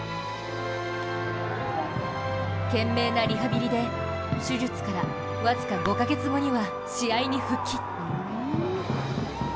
懸命なリハビリで手術から僅か５か月後には試合に復帰。